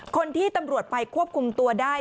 คนที่ตำรวจไปควบคุมตัวได้